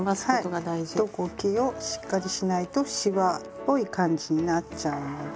糸こきをしっかりしないとシワっぽい感じになっちゃうので。